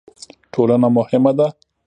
ټولنه مهمه ده.